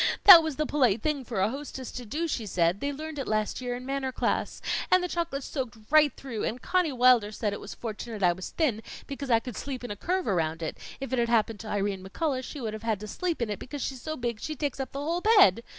That was the polite thing for a hostess to do, she said; they learned it last year in manner class. And the chocolate soaked right through, and Conny Wilder said it was fortunate I was thin, because I could sleep in a curve around it; if it had happened to Irene McCullough, she would have had to sleep in it, because she's so big she takes up the whole bed.